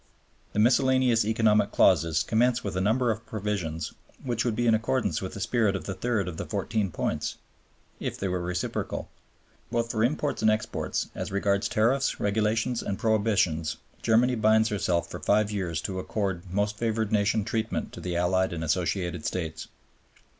The miscellaneous Economic Clauses commence with a number of provisions which would be in accordance with the spirit of the third of the Fourteen Points, if they were reciprocal. Both for imports and exports, and as regards tariffs, regulations, and prohibitions, Germany binds herself for five years to accord most favored nation treatment to the Allied and Associated States.